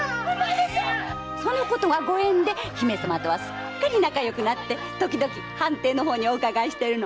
〕それがご縁で姫様とはすっかり仲よくなって時々藩邸にお伺いしてるの。